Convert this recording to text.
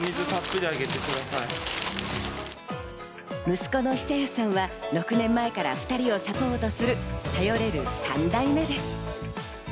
息子の久弥さんは６年前から２人をサポートする頼れる３代目です。